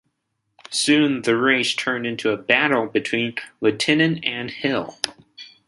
Soon the race turned into a battle between Lehtinen and Hill.